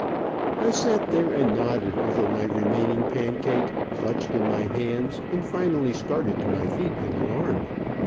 I sat there and nodded over my remaining pancake, clutched in my hands, and finally started to my feet in alarm.